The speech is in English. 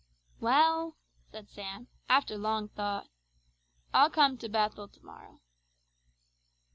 "Well," said Sam after long thought, "I'll come to 'Bethel' to morrow."